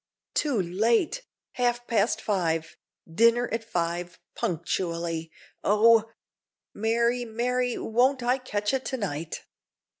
"Too late! half past five; dinner at five punctually! Oh! Mary, Mary, won't I catch it to night!"